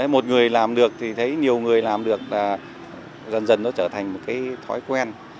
một người làm được thì thấy nhiều người làm được là dần dần nó trở thành một cái thói quen